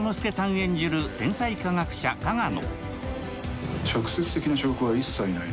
演じる天才科学者、加賀野。